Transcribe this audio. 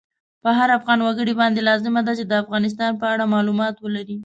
په هر افغان وګړی باندی لازمه ده چی د افغانستان په اړه مالومات ولری